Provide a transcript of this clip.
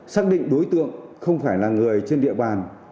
xác định đối tượng không phải là người trên địa bàn